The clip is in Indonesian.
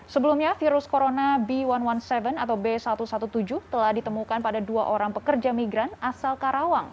sebelumnya virus corona b satu satu tujuh atau b satu satu tujuh telah ditemukan pada dua orang pekerja migran asal karawang